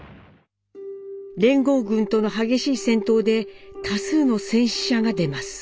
連合軍との激しい戦闘で多数の戦死者が出ます。